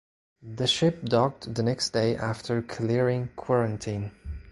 The ship docked the next day after clearing quarantine.